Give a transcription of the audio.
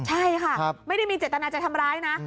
ใช่ค่ะไม่ได้มีเจตนาจะทำร้ายนะ